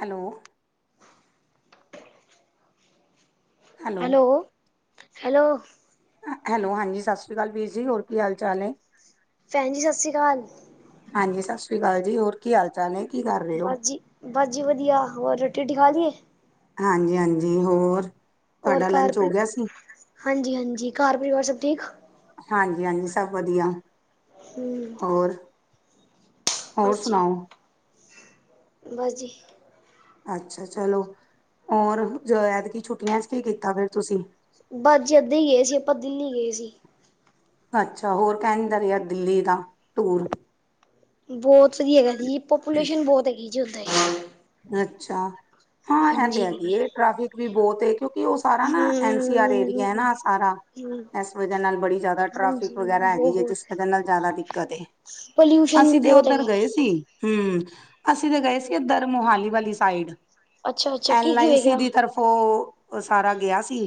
Hello. Hello. Hello. Hello ਹਾਂਜੀ। ਸਤਿ ਸ੍ਰੀ ਅਕਾਲ ਵੀਰ ਜੀ ਹੋਰ ਕੀ ਹਾਲ -ਚਾਲ ਹੈ। ਭੈਣ। ਜੀ। ਸਤਿ। ਸ੍ਰੀ। ਅਕਾਲ। ਹਾਂਜੀ ਸਤਿ ਸ੍ਰੀ ਅਕਾਲ ਜੀ ਹੋਰ ਕੀ ਹਾਲ- ਚਾਲ ਹੈ ਕੀ ਕਰ ਰਹੇ ਹੋ। ਬਸ ਜੀ, ਬਸ। ਜੀ। ਵਧੀਆ। ਹੋਰ। ਰੋਟੀ। ਰੋਟੀ। ਖਾ। ਲਈਏ। ਹਾਂਜੀ। ਹਾਂਜੀ। ਹੋਰ। ਹੋਰ। ਤੁਹਾਡਾ ਘਰ। ਲੰਚ ਹੋ ਪਰਿਵ। ਗਿਆ ਸੀ ਹਾਂਜੀ। ਹਾਂਜੀ। ਘਰ। ਪਰਿਵਾਰ। ਸਭ। ਠੀਕ। ਹਾਂਜੀ। ਹਾਂਜੀ। ਸਭ। ਵਧੀਆ। ਹਮ। ਹੋਰ। ਹੋਰ। ਜੀ ਸੁਣਾਓ। ਬਸ ਜੀ। ਅੱਛਾ ਚਲੋ, ਹੋਰ ਜੋ ਐਤਕੀ ਛੁੱਟੀਆਂ ਚ ਕੀ ਕੀਤਾ ਫਿਰ ਤੁਸੀਂ। ਬਸ ਜੀ ਇੱਦਾਂ ਹੀ ਗਏ ਸੀ ਆਪਾਂ ਦਿੱਲੀ ਗਏ ਸੀ। ਅੱਛਾ ਹੋਰ ਕਹਿੰਦਾ ਰਿਹਾ ਦਿੱਲੀ ਦਾ ਟੂਰ। ਬਹੁਤ ਜੀ ਹੈਗਾ ਜੀ ਪੋਪੂਲੇਸ਼ਨ ਬਹੁਤ ਹੈਗੀ ਜੇ ਅੱਛਾ। ਹਾਂ ਐ ਤੇ ਹਾਂਜੀ। ਹੈਗੀ ਏ ਟ੍ਰੈਫਿਕ ਵੀ ਬਹੁਤ ਏ ਕਿਉਂਕਿ ਓ ਸਾਰਾ ਹੂੰ ਨਾ ਐਨ ਸੀ ਆਰ ਏਰੀਆ ਐ ਨਾ ਸਾਰਾ। ਹੂੰ ਏਸ ਵਜ੍ਹਾ ਨਾਲ ਬੜੀ ਜਿਆਦਾ ਟ੍ਰੈਫਿਕ ਹਾਂਜੀ ਵਗੈਰਾ ਹੈਗੀ ਏ ਜਿਸ ਬਹੁਤ ਵਜ੍ਹਾ ਨਾਲ ਜ਼ਿਆਦਾ ਦਿੱਕਤ ਏ। ਪੋਲਿਊਸ਼ਨ ਵੀ ਅਸੀ ਤੇ ਬਹੁਤ ਓਧਰ ਹੈਗਾ। ਗਏ ਸੀ। ਹੂੰ। ਅਸੀ ਤੇ ਗਏ ਸੀ ਐਧਰ ਮੋਹਾਲੀ ਵਾਲੀ ਸਾਈਡ, ਅੱਛਾ ਅੱਛਾ ਕੀ ਐਲ ਕੀ ਆਈ ਸੀ ਵੇਖਿਆ ਦੀ ਤਰਫ਼। ਓ ਅ ਸਾਰਾ ਗਿਆ ਸੀ।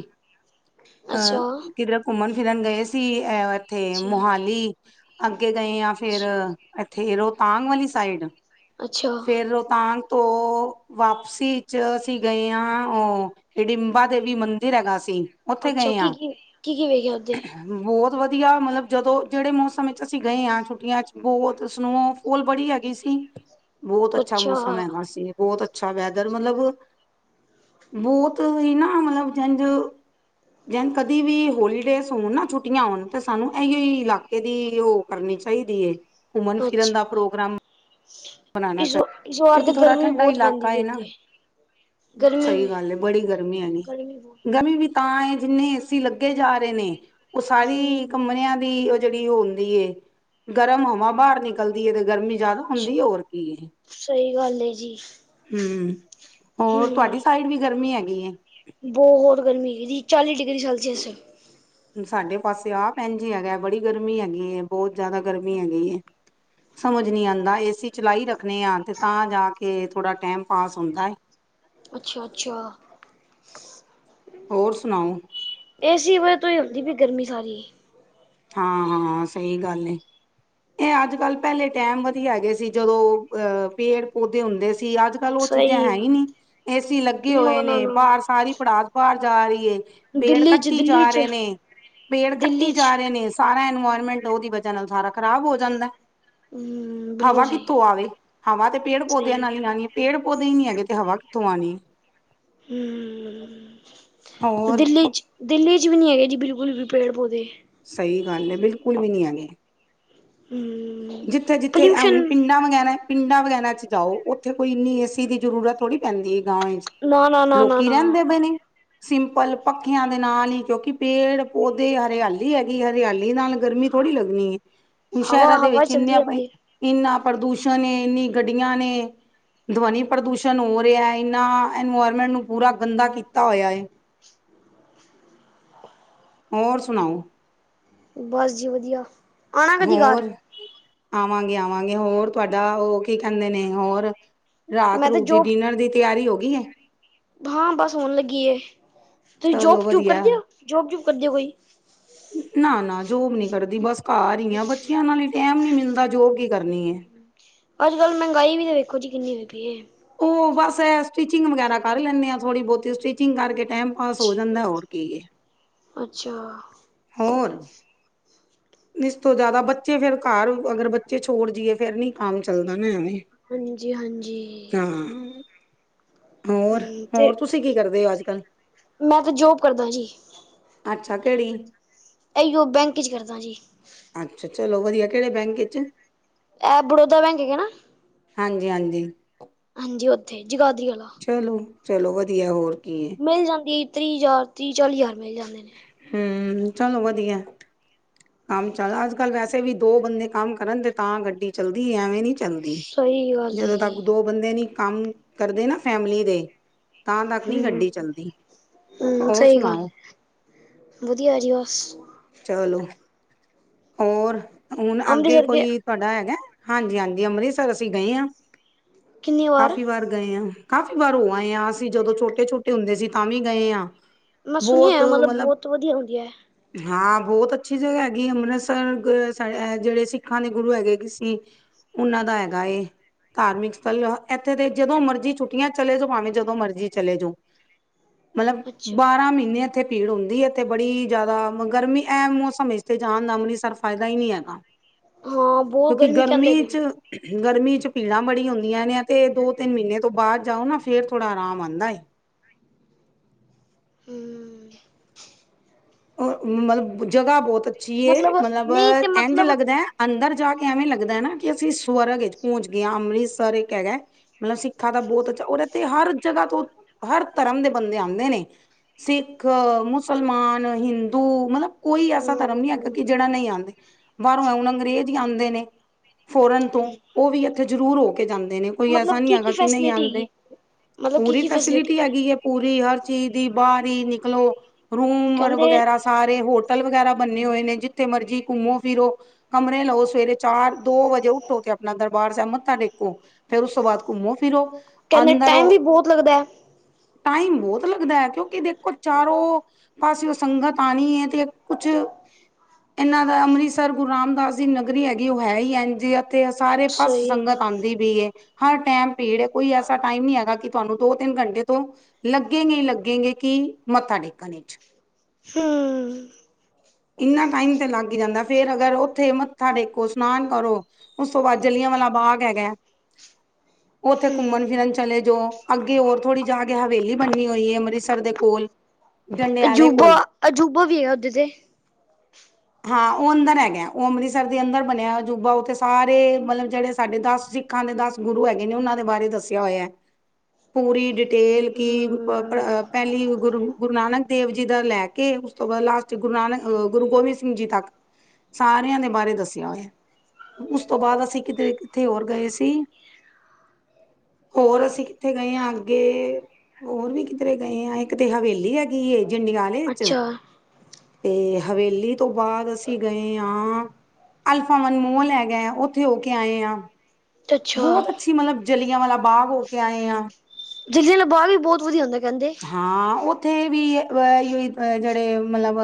ਅੱਛਾ ਅ ਕਿਧਰੇ ਘੁੰਮਣ ਫਿਰਨ ਗਏ ਸੀ ਅ ਇੱਥੇ ਅੱਛਾ ਮੋਹਾਲੀ, ਅੱਗੇ ਗਏ ਆਂ ਫੇਰ ਐਥੇ ਰੋਤਾਂਗ ਵਾਲੀ ਸਾਈਡ, ਅੱਛਾ। ਫੇਰ ਰੋਤਾਂਗ ਤੋਂ ਵਾਪਸੀ ਚ ਅਸੀ ਗਏ ਆਂ ਓ ਹਿਡਿੰਬਾ ਦੇਵੀ ਮੰਦਿਰ ਹੈਗਾ ਸੀ, ਓਥੇ ਅੱਛਾ ਗਏ ਕੀ ਆਂ। ਕੀ ਕੀ ਕੀ ਵੇਖਿਆ ਉੱਥੇ ਬਹੁਤ ਵਧੀਆ ਮਤਲਬ ਜਦੋਂ ਜਿਹੜੇ ਮੌਸਮ ਵਿਚ ਅਸੀ ਗਏ ਆਂ ਛੁੱਟੀਆਂ ਚ ਬਹੁਤ ਸਨੋ ਪੁਲ ਬੜੀ ਹੈਗੀ ਸੀ। [inaudible] ਬਹੁਤ ਅੱਛਾ ਮੌਸਮ ਹੈਗਾ ਸੀ। ਬਹੁਤ ਅੱਛਾ ਵੈਦਰ ਮਤਲਬ ਬਹੁਤ ਈ ਨਾ ਮਤਲਬ ਜੈਂਝ ਜੈਨ ਕਦੇ ਵੀ ਹੋਲੀਡੇਸ ਹੋਣ ਨਾ ਛੁੱਟੀਆਂ ਹੋਣ ਤਾਂ ਸਾਨੂੰ ਐਈਓ ਈ ਇਲਾਕ ਏਦੀ ਓ ਕਰਨੀ ਚਾਹੀਦੀ ਏ। ਅੱਛਾ। ਬਣਾਉਣਾ ਇਸ। ਚਾਹੀਦਾ ਇਸ। ਵਾਰ। ਕਿਉਂਕਿ ਤੇ। ਥੋੜਾ ਗਰਮੀ। ਠੰਡਾ ਬਹੁਤ। ਇਲਾਕਾ ਪੈਂਦੀ। ਹੈ। ਨਾ ਇੱਥੇ। ਗਰਮੀ ਸਹੀ ਵੀ ਗੱਲ ਏ ਬੜੀ ਗਰਮੀ ਹੈਗੀ, ਗਰਮੀ ਬਹੁਤ ਗਰਮੀ ਵੀ। ਤਾਂ ਇਹ ਜਿੰਨੇ ਏਸੀ ਲੱਗੇ ਜਾ ਰਹੇ ਨੇ ਉਹ ਸਾਰੀ ਹਮ ਕਮਰਿਆਂ ਦੀ। ਜਿਹੜੀ ਉਹ ਹੁੰਦੀ ਏ ਗਰਮ ਹਵਾਂ ਬਾਹਰ ਨਿਕਲਦੀਏ ਤੇ ਗਰਮੀ ਜਿਆਦਾ ਅੱਛਾ ਹੁੰਦੀ ਹੋਰ। ਕੀ ਸਹੀ ਗੱਲ ਹੈ ਜੀ ਹੂੰ। ਹੋਰ ਤੁਹਾਡੀ ਸਾਈਡ ਵੀ ਗਰਮੀ ਹੈਗੀ ਏ? ਬੋਹਤ ਗਰਮੀ ਹੈਗੀ ਜੀ। ਚਾਲੀ ਡਿਗਰੀ ਸੈਲਸੀਅਸ। ਸਾਡੇ ਪਾਸੇ ਆਪ ਐਂਜ ਈ ਹੈਗਾ ਐ। ਬੜੀ ਗਰਮੀ ਹੈਗੀ। ਬੋਤ ਜਾਦਾ ਗਰਮੀ ਹੈਗੀ। ਸਮਝ ਨੀ ਆਂਦਾ। ਏ ਸੀ ਚਲਾਈ ਰੱਖਣੇ ਆਂ ਤੇ ਤਾਂ ਜਾ ਕੇ ਥੋੜ੍ਹਾ ਟਾਈਮ ਪਾਸ ਹੁੰਦਾ ਏ। ਅੱਛਾ ਅੱਛਾ। ਹੋਰ ਸੁਣਾਓ। ਏਸੀ ਵਜੇ ਤੋਂ ਹੀ ਹੁੰਦੀ ਪੀ ਗਰਮੀ ਸਾਰੀ। ਹਾਂ ਹਾਂ ਸਹੀ ਗੱਲ ਏ। ਏ ਅੱਜ ਕੱਲ੍ਹ ਪਹਿਲੇ ਟਾਈਮ ਵਧੀਆ ਹੈਗੇ ਸੀ ਜਦੋਂ ਅ ਪੇੜ ਪੌਦੇ ਹੁੰਦੇ ਸੀ ਅੱਜ ਕੱਲ ਉਹ ਚੀਜ਼ਾਂ ਸਹੀ ਹੈ ਈ ਨੀ ਨਾ ਏਸੀ ਲੱਗੇ ਹੋਏ ਨਾ ਨੇ ਨਾ ਬਾਹਰ ਸਾਰੀ ਪੜਾਸ ਬਾਰ ਜਾਰੀ ਏ। ਪੇੜ ਦਿੱਲੀ ਚ ਕੱਟੀ ਜਾ ਦਿੱਲੀ ਚ ਰਹੇ ਨੇ। ਪੇੜ ਦਿੱਲੀ ਕੱਟੀ ਚ ਜਾ ਰਹੇ ਨੇ। ਸਾਰਾ ਇਨਵਾਇਰਮੈਂਟ ਔਦੀ ਵਜ੍ਹਾ ਨਾਲ ਸਾਰਾ ਖ਼ਰਾਬ ਹੋ ਜਾਂਦਾ ਐ। ਹਮ ਬਿਲਕੁਲ ਹਵਾ ਕਿੱਥੋਂ ਸਹੀ ਆਵੇ। ਹਵਾ ਤੇ ਪੇੜ ਪੌਦਿਆਂ ਸਹੀ ਨਾਲ ਈ ਆਣੀ। ਪੇੜ ਪੌਦੇ ਈ ਨੀ ਹੈਗੇ ਤੇ ਹਵਾ ਕਿੱਥੋਂ ਆਣੀ। ਹੋਰ ਦਿੱਲੀ ਚ। ਦਿੱਲੀ ਚ ਵੀ ਨੀ ਹੈਗੇ ਜੀ ਬਿਲਕੁਲ ਵੀ ਪੇੜ ਪੌਦੇ। ਸਹੀ ਗੱਲ ਏ ਬਿਲਕੁਲ ਵੀ ਨੀ ਹੈਗੇ। ਹੁਂ। ਜਿੱਥੇ ਜਿੱਥੇ ਐ ਹੁਣ ਪਿੰਡਾਂ ਵਗੈਰਾ ਪਿੰਡਾਂ ਵਗੈਰਾ ਚ ਜਾਓ ਓਥੇ ਕੋਈ ਇੰਨੀ ਏ ਸੀ ਦੀ ਜ਼ਰੂਰਤ ਥੋੜ੍ਹੀ ਪੈਂਦੀ ਏ ਗਾਂਵ ਏਚ। ਨਾ ਨਾ ਨਾ ਨਾ ਲੋਕੀ ਨਾ ਰਹਿੰਦੇ ਪਏ ਨੇ। ਸਿੰਪਲ ਪੱਖੇਆਂ ਦੇ ਨਾਲ ਈ ਕਿਉਂਕਿ ਪੇੜ ਪੌਦੇ ਹਰਿਆਲੀ ਹੈਗੀ। ਹਰਿਆਲੀ ਨਾਲ ਗਰਮੀ ਥੋੜੀ ਲੱਗਣੀ ਏ। ਹੁਣ ਹਵਾ ਸ਼ਹਿਰਾਂ ਦੇ ਹਵਾ ਵਿੱਚ ਇੰਨੇ ਚਲਦੀ ਰਹਿੰਦੀ ਇੰਨਾ ਪ੍ਰਦੂਸ਼ਣ ਏ ਇੰਨੀ ਗੱਡੀਆਂ ਨੇ ਧਵਨੀ ਪ੍ਰਦੂਸ਼ਣ ਹੋ ਰਿਹਾ ਐ। ਇਨਾਂ ਐਨਵਾਇਰਮੈਂਟ ਨੂੰ ਪੂਰਾ ਗੰਦਾ ਕੀਤਾ ਹੋਇਆ ਏ। ਹੋਰ ਸੁਣਾਓ ਬਸ ਜੀ ਵਧੀਆ ਆਉਣਾ ਕਦੀ ਘਰ ਹੋਰ ਆਵਾਂਗੇ ਆਵਾਂਗੇ ਹੋਰ ਤੁਹਾਡਾ ਉਹ ਕੀ ਕਹਿੰਦੇ ਨੇ ਹੋਰ ਰਾਤ ਮੈਂ ਤਾਂ ਰੂ ਦੀ ਜੋਬ ਡਿਨਰ ਦੀ ਤਿਆਰੀ ਹੋ ਗਈ ਹੈ ਹਾਂ ਬਸ ਹੋਣ ਲੱਗੀ ਤੁਸੀਂ ਚਲੋ ਜੋਬ ਜੂਬ ਵਧੀਆ ਕਰਦੇ ਹੋ ਜੋਬ ਜਬ ਕਰਦੇ ਹੋ ਕੋਈ ਨਾ ਨਾ ਜੋਬ ਨੀ ਕਰਦੀ ਬਸ ਘਰ ਹੀ ਆ ਬੱਚਿਆਂ ਨਾਲ ਲਈ ਟੈਮ ਨੀ ਮੇਲਦਾ ਜੋਬ ਕਰਨੀ ਹੈ ਅੱਜ ਕੱਲ੍ਹ ਮਹਿੰਗਾਈ ਵੀ ਤਾਂ ਵੇਖੋ ਜੀ ਕਿੰਨੀ ਹੋ ਗਈ ਹੈ। ਉਹ ਬਸ ਸਟੀਿਚਿੰਗ ਵਗੈਰਾ ਕਰ ਲੈਂਦੇ ਆਾਂ ਥੋੜੀ ਬਹੁਤੀ ਸਟਿਚਿੰਗ ਕਰਕੇ ਟਾਈਮ ਪਾਸ ਹੋ ਜਾਂਦਾ ਹੋਰ ਕੀ ਹੈ ਅੱਛਾ ਹੋਰ ਇਸ ਤੋਂ ਜਿਆਦਾ ਬੱਚੇ ਫੇਰ ਘਰ ਅਗਰ ਚੇ ਛੋੜ ਜਈਏ ਫੇਰ ਨੀ ਕੰਮ ਚੱਲਦਾ ਨਾ ਐਵੇਂ ਹਾਂਜੀ ਹਾਂਜੀ ਹਾਂ ਹੋਰ ਹਮ ਤੇ ਹੋਰ ਤੁਸੀਂ ਕੀ ਕਰਦੇ ਹੋ ਅੱਜ ਕੱਲ ਮੈਂ ਤੇ ਜੋਬ ਕਰਦਾ ਜੀ ਅੱਛਾ ਕਿਹੜੀ ਇਓ ਬੈਂਕ 'ਚ ਕਰਦਾ ਜੀ ਅੱਛਾ ਚਲੋ ਵਧੀਆ ਕਿਹੜੇ ਬੈਂਕ ਚ ਇਹ ਬੜੌਦਾ ਹੈਗਾ ਨਾ ਹਾਂਜੀ ਹਾਂਜੀ। ਹਾਂਜੀ ਔਥੇ ਜਗਾਦਰੀ ਆਲਾ। ਚਲੋ, ਚਲੋ ਵਧੀਆ ਹੋਰ ਕੀ ਏ। ਮਿਲ ਜਾਂਦੀ ਤ੍ਰੀਹ ਹਜ਼ਾਰ ਤੀਹ ਚਾਲੀ ਹਜ਼ਾਰ ਮਿਲ ਜਾਂਦੇ ਨੇ। ਹੂੰ ਚਲੋ ਵਧੀਆ ਐ। ਕੰਮ ਚੱਲ ਅੱਜ ਕੱਲ ਵੈਸੇ ਵੀ ਦੋ ਬੰਦੇ ਕੰਮ ਕਰਨ ਤੇ ਤਾਂ ਗੱਡੀ ਚੱਲਦੀ ਏ ਐਵੇਂ ਨੀ ਚੱਲਦੀ ਸਹੀ ਗੱਲ ਹੈ ਜਦੋਂ ਜੀ ਤੱਕ ਦੋ ਬੰਦੇ ਨੀ ਕੰਮ ਕਰਦੇ ਨਾ ਫੈਮਲੀ ਦੇ ਤਾਂ ਤੱਕ ਨਹੀਂ ਹਮ ਗੱਡੀ ਚੱਲਦੀ ਹਮ ਹੋਰ ਸਹੀ ਗੱਲ ਸੁਣਾਓ। ਵਧੀਆ ਜੀ ਬਸ ਚਲੋ ਹੋਰ ਹੁਣ ਅੱਗੇ ਅੰਮ੍ਰਿਤਸਰ ਗਏ ਕੋਈ ਤੁਹਾਡਾ ਹੈਗਾ ਹਾਂਜੀ -ਹਾਂਜੀ ਅੰਮ੍ਰਿਤਸਰ ਅਸੀਂ ਗਏ ਆਂ ਕਾਫ਼ੀ ਵਾਰ ਗਏ ਆਂ। ਕਾਫ਼ੀ ਵਾਰ ਉਹ ਆਏ ਹਾਂ ਅਸੀਂ ਜਦੋਂ ਛੋਟੇ- ਛੋਟੇ ਹੁੰਦੇ ਸੀ ਤਾਂ ਵੀ ਗਏ ਹਾਂ ਬਹੁਤ ਮਤਲਬ ਤੋ ਵਧੀਆ ਹੋ ਗਿਆ। ਹਾਂ ਬਹੁਤ ਅੱਛੀ ਜਗ੍ਹਾ ਹੈਗੀ ਅੰਮ੍ਰਿਤਸਰ ਜਿਹੜੇ ਸਿੱਖਾਂ ਦੇ ਗੁਰੂ ਹੈਗੇ ਕਿ ਸੀ। ਉਹਨਾਂ ਦਾ ਹੈਗਾ। ਧਾਰਮਿਕ ਸਥਲ ਇੱਥੇ ਤੇ ਜਦੋਂ ਮਰਜ਼ੀ ਛੁੱਟੀਆਂ ਚਲੇ ਜਾ ਭਾਵੇਂ ਜਦੋਂ ਮਰਜ਼ੀ ਚਲੇ ਜਓ। ਚਲੇ ਮਤਲਬ ਬਾਰਾਂ ਮਹੀਨੇ ਇੱਥੇ ਭੀੜ ਹੁੰਦੀ ਹੈ ਇਥੇ ਬੜੀ ਜਿਆਦਾ ਗਰਮੀ ਐਮ ਮੌਸਮ ਵਿ ਤੇ ਜਾਣ ਦਾ ਅੰਮ੍ਰਿਤਸਰ ਫਾਇਦਾ ਹੀ ਨਹੀਂ ਹੈਗਾ ਹਾਂ ਬਹੁਤ ਕਿਉਂਕਿ ਗਰਮੀ ਕਹਿੰਦੇ ਪਏ 'ਚ ਨੇ ਗਰਮੀ 'ਚ ਭੀੜਾਂ ਬੜੀ ਹੁੰਦੀਆਂ ਨੇ ਤੇ ਦੋ ਤਿੰਨ ਮਹੀਨੇ ਤੋਂ ਬਾਅਦ ਜਾਓ ਨਾ ਫੇਰ ਥੋੜਾ ਆਰਾਮ ਆਉਂਦਾ ਏ। ਹੂੰ ਮਤਲਬ ਜਗ੍ਹਾ ਬਹੁਤ ਅੱਛੀ ਮਤਲਬ ਨਹੀਂ ਤੇ ਐਂਜ ਮਤਲਬ ਲੱਗਦਾ। ਅੰਦਰ ਜਾ ਕੇ ਐਵੇਂ ਲੱਗਦਾ ਹੈ ਨਾ ਕਿ ਅਸੀਂ ਸਵਰਗ ਵਿੱਚ ਪਹੁੰਚ ਗਏ ਹਾਂ ਅੰਮ੍ਰਿਤਸਰ ਇੱਕ ਹੈਗਾ। ਮਤਲਬ ਸਿੱਖਾਂ ਦਾ ਬਹੁਤ ਅਛਾ ਉਹ ਤੇ ਹਰ ਜਗ੍ਹਾ ਤੋਂ ਹਰ ਧਰਮ ਦੇ ਬੰਦੇ ਆਉਂਦੇ ਨੇ। ਸਿੱਖ ਮੁਸਲਮਾਨ ਹਿੰਦੂ ਮਤਲਬ ਕੋਈ ਐਸਾ ਧਰਮ ਨਹੀਂ ਹੈਗਾ ਹਮ ਕਿ ਜਿਹੜਾ ਨਹੀਂ ਆਂਦੇ। ਬਾਹਰੋਂ ਐ ਹੁਣ ਅੰਗਰੇਜ਼ ਆਂਦੇ ਨੇ। ਫੋਰਨ ਤੋਂ ਉਹ ਵੀ ਇੱਥੇ ਜ਼ਰੂਰ ਹੋ ਕੇ ਜਾਂਦੇ ਨੇ ਕੋਈ ਐਸਾ ਮਤਲਬ ਨਹੀਂ ਕੀ ਹੈਗਾ ਕੀ ਕਿ ਨਹੀਂ ਫੈਸਿਲਿਟੀ ਆਂਦੇ। ਹੈਗੀ ਮਤਲਬ ਕੀ ਪੂਰੀ ਕੀ ਫੈਸਿਲਿਟੀ ਹੈਗੀ ਹੈ ਪੂਰੀ ਹਰ ਚੀਜ਼ ਦੀ ਬਾਹਰ ਹੀ ਨਿਕਲੋ ਰੂਮ ਕਹਿੰਦੇ ਵਗੈਰਾ ਸਾਰੇ ਹੋਟਲ ਵਗੈਰਾ ਬੰਨੇ ਹੋਏ ਨੇ ਜਿੱਥੇ ਮਰਜੀੀ ਘੁੰਮੋ ਫਿਰੋ। ਕਮਰੇ ਲਓ ਸਵੇਰੇ ਚਾਰ ਦੋ ਵਜੇ ਉਠੋ ਤੇ ਆਪਣਾ ਦਰਬਾਰ ਸਾਹਿਬ ਮੱਥਾ ਟੇਕੋ। ਫਿਰ ਉਸ ਤੋਂ ਬਾਅਦ ਘੁੰਮੋ ਫਿਰੋ। ਕਹਿੰਦੇ ਅੰਦਰ ਟਾਈਮ ਵੀ ਬਹੁਤ ਲੱਗਦਾ ਹੈ। ਟਾਈਮ ਬਹੁਤ ਲੱਗਦਾ ਹੈ ਕਿਉਂਕਿ ਦੇਖੋ ਚਾਰੋਂ ਪਾਸਿਓ ਸੰਗਤ ਆਂਣੀ ਹੈ। ਤੇ ਕੁਛ ਇਹਨਾਂ ਦਾ ਅੰਮ੍ਰਿਤਸਰ ਗੁਰੂ ਰਾਮਦਾਸ ਦੀ ਨਗਰੀ ਹੈਗੀ ਉਹ ਹੈ ਹੀ ਐਂਜ ਈ ਆ। ਤੇ ਸਾਰੇ ਪਾਸ ਸਹੀ ਸੰਗਤ ਆਉਂਦੀ ਪਈ ਏ। ਹਰ ਟਾਈਮ ਭੀੜ ਹੈ ਕੋਈ ਐਸਾ ਟਾਈਮ ਨੀ ਹੈਗਾ ਕਿ ਤੁਹਾਨੂੰ ਦੋ ਤਿੰਨ ਘੰਟੇ ਤੋਂ ਲੱਗੇਂਗੇ ਲੱਗੇਂਗੇ ਕਿ ਮੱਥਾ ਟੇਕਣ 'ਚ ਹਾਂ ਇੰਨਾ ਟਾਈਮ ਤੇ ਲੱਗ ਜਾਂਦਾ ਫੇਰ ਅਗਰ ਉੱਥੇ ਮੱਥਾ ਟੇਕੋ ਇਸ਼ਨਾਨ ਕਰੋ। ਉਸ ਤੋਂ ਬਾਅਦ ਜਲਿਆਂ ਵਾਲਾ ਬਾਗ ਹੈਗਾ। ਉੱਥੇ ਹਮ ਘੁੰਮਣ ਫਿਰਨ ਚਲੇ ਜਾਓ ਅੱਗੇ ਹੋਰ ਥੋੜ੍ਹੀ ਜਾ ਕੇ ਹਵੇਲੀ ਬੰਨੀ ਹੋਈ ਹੈ ਅੰਮ੍ਰਿਤਸਰ ਦੇ ਕੋਲ ਜੰਡਿਆਲੇ ਬ ਕੋਲ ਅਜੂਬਾ ਵੀ ਹੈਗਾ ਓਦੇ ਤੇ ਹਾਂ ਉਹ ਅੰਦਰ ਹੈਗੇ ਉਹ ਅੰਮ੍ਰਿਤਸਰ ਦੇ ਅੰਦਰ ਬਣਿਆ ਅਜੂਬਾ ਉੱਥੇ ਸਾਰੇ ਮਤਲਬ ਜਿਹੜੇ ਸਾਡੇ ਦਸ ਸਿ ਖਾਂ ਦੇ ਦਸ ਗੁਰੂ ਹੈਗੇ ਨੇ ਉਹਨਾਂ ਦੇ ਬਾਰੇ ਦੱਸਿਆ ਹੋਇਆ ਹੈ। [inaudible] ਪੂਰੀ ਡਿਟੇਲ ਕਿ ਹੂੰ, ਪਹਿਲੀ ਗੁਰੂ- ਗੁਰੂ ਨਾਨਕ ਦੇਵ ਜਿੱਦਾਂ ਲੈ ਕੇ ਉਸ ਤੋਂ ਬਾਅਦ ਲਾਸਟ ਗੁਰੂ ਨਾਨਕ ਉਹ ਗੁਰੂ ਗੋਬਿੰਦ ਸਿੰਘ ਜੀ ਤੱਕ ਸਾਰਿਆਂ ਦੇ ਬਾਰੇ ਦੱਸਿਆ ਹੋਇਆ। ਉਸ ਤੋਂ ਬਾਅਦ ਅਸੀਂ ਕਿਤੇ ਕਿੱਥੇ ਹੋਰ ਗਏ ਸੀ। [inaudible] ਹੋਰ ਅਸੀਂ ਕਿੱਥੇ ਗਏ ਹਾਂ ਅੱਗੇ ਹੋਰ ਵੀ ਕਿਧਰੇ ਗਏ ਹ ਇੱਕ ਤੇ ਹਵੇਲੀ ਹੈਗੀ। ਜੰਡੀਆਲੇ 'ਚ ਅੱਛਾ ਤੇ ਹਵੇਲੀ ਤੋਂ ਬਾਅਦ ਅਸੀਂ ਗਏ ਆਂ। ਅਲਫਾਵੰਨ ਮੋਲ ਹੈਗਾ ਆ ਉਥੇ ਹੋ ਕੇ ਆਏ ਆਂ। ਅੱਛਾ ਬਹੁਤ ਅੱਛੀ ਮਤਲਬ ਜਲਿਆਂ ਵਾਲਾ ਬਾਗ ਹੋ ਕੇ ਆਏ ਆ। ਜਲਿਆਂ ਵਾਲਾ ਬਾਗ਼ ਵੀ ਬਹੁਤ ਵਧੀਆ ਹੁੰਦਾ ਕਹਿੰਦੇ। ਹਾਂ ਉੱਥੇ ਵੀ ਇ [inaudible] ਜਿਹੜੇ ਮਤਲਬ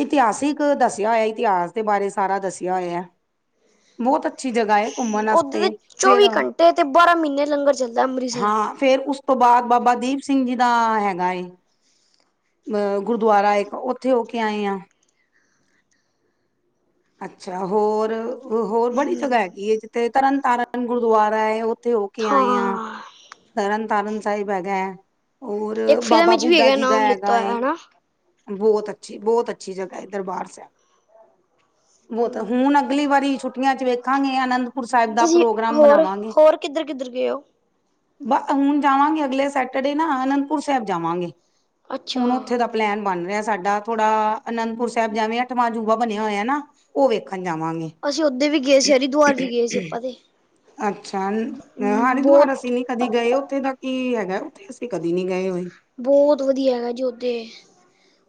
ਇਤਿਹਾਸਿਕ ਦੱਸਿਆ ਹੋਇਆ ਇਤਿਹਾਸ ਦੇ ਬਾਰੇ ਸਾਰਾ ਦੱਸਿਆ ਹੋਇਆ। ਬਹੁਤ ਅੱਛੀ ਜਗ੍ਹਾ ਹੈ ਘੁੰਮਣ ਉਦੇ ਵਾਸਤੇ ਤੇ ਫਿਰ ਚੌਵੀ ਘੰਟੇ ਤੇ ਬਾਰਾਂ ਮਹੀਨੇ ਲੰਗਰ ਚੱਲਦਾ ਅੰਮ੍ਰਿਤਸਰ ਹਾਂ। ਫੇਰ ਉਸ ਤੋਂ ਬਾਅਦ ਬਾਬਾ ਦੀਪ ਸਿੰਘ ਜੀ ਦਾ ਹੈਗਾ ਏ। ਅ ਗੁਰਦੁਆਰਾ ਇੱਕ ਉੱਥੇ ਹੋ ਕੇ ਆਏ ਹਾਂ। ਅੱਛਾ ਹੋਰ ਹੋਰ ਬੜੀ ਜਗ੍ਹਾ ਹੈਗੀ ਐ ਜਿੱਥੇ ਤਰਨ ਤਾਰਨ ਗੁਰਦੁਆਰਾ ਹੈ ਉੱਥੇ ਉਹ ਕੇ ਆਏ ਹਾਂ ਤਰਨ ਤਾਰਨ ਸਾਹਿਬ ਹੈਗਾ। ਹੋਰ ਇੱਕ ਫਿਲਮ ਬਾਬਾ ਵਿੱਚ ਵੀ ਬੁੱਢਾ ਹੈਗਾ ਜੀ ਦਾ ਨਾਮ ਹੈਗਾ ਲਿੱਤਾ ਏ। ਹੋਇਆ ਹਨਾ ਬਹੁਤ ਅੱਛੀ ਬਹੁਤ ਅੱਛੀ ਜਗਾ ਐ ਦਰਬਾਰ ਸਾਹਿਬ। ਬਹੁਤ ਹੁਣ ਅਗਲੀ ਵਾਰੀ ਛੁੱਟੀਆਂ ਚ ਵੇਖਾਂਗੇ ਅਨੰਦਪੁਰ ਸਾਹਿਬ ਦਾ ਤੁਸੀਂ ਪ੍ਰੋਗਰਾਮ ਹੋਰ ਬਣਾਵਾਂਗੇ। ਹੋਰ ਕਿੱਧਰ ਗਏ ਹੋ? ਬ ਹੁਣ ਜਾਵਾਂਗੇ ਅਗਲੇ ਸੈਟਰਡੇ ਨਾ ਅਨੰਦਪੁਰ ਸਾਹਿਬ ਜਾਵਾਂਗੇ ਅੱਛਾ ਹੁਣ ਉੱਥੇ ਦਾ ਪਲੈਨ ਬਣ ਰਿਹਾ ਸਾਡਾ ਥੋੜਾ ਅਨੰਦਪੁਰ ਸਾਹਿਬ ਜਾਂਦੇ ਅੱਠਵਾਂ ਅਜੂਬਾ ਬਣਿਆ ਹੋਇਆ ਨਾ। ਉਹ ਵੇਖਣ ਜਾਵਾਂਗੇ। ਉਦੇ ਵੀ ਗਏ ਸੀ ਹਰਿਦੁਆਰ ਵੀ ਗਏ ਸੀ ਆਪਾਂ ਤੇ। ਅੱਛਾ ਹੂੰ, ਹਰਿਦੁਆਰ ਬਹੁਤ ਅਸੀਂ ਨੀ ਕਦੇ ਗਏ ਉੱਥੇ ਤੱਕ ਕੀ ਹੈਗਾ ਉੱਥੇ ਅਸੀਂ ਕਦੇ ਨਹੀ ਗਏ ਹੋਏ। ਬਹੁਤ ਵਧੀਆ ਹੈਗਾ ਜੀ ਓਦੇ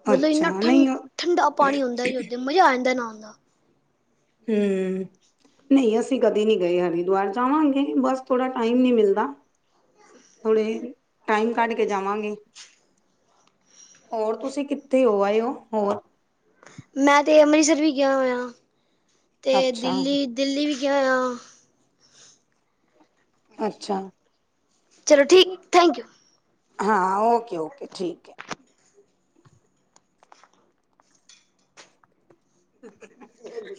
ਮਤਲਬ ਅੱਛਾ ਇੰਨਾ ਠੰਡ ਨਹੀਂ ਠੰਡਾ ਪਾਣੀ ਹੁੰਦਾ ਜੀ ਓਥੇ। ਮਜ਼ਾ ਆ ਜਾਂਦਾ ਨਹਾਣ ਦਾ। ਹੂੰ, ਨਹੀਂ ਅਸੀਂ ਕਦੇ ਨਹੀਂ ਗਏ ਹਰਿਦੁਆਰ ਜਾਵਾਂਗੇ ਬਸ ਥੋੜ੍ਹਾ ਟਾਈਮ ਨਹੀਂ ਮਿਲਦਾ। ਕੋਈ ਨੀ ਟਾਈਮ ਕੱਢ ਕੇ ਜਾਵਾਂਗੇ। ਹੋਰ ਤੁਸੀਂ ਕਿੱਥੇ ਹੋ ਆਏ ਹੋ ਹੋਰ। ਮੈਂ ਤੇ ਅੰਮ੍ਰਿਤਸਰ ਵੀ ਗਿਆ ਹੋਇਆ ਤੇ ਅੱਛਾ ਦਿੱਲੀ ਦਿੱਲੀ ਵੀ ਗਿਆ ਹੋਇਆ। ਅੱਛਾ, ਚਲੋ ਠੀਕ ਥੈਂਕ ਯੂ। ਹਾਂ ਓਕੇ ਓਕੇ ਠੀਕ ਐ। [unintelligible] ਹ [unintelligible]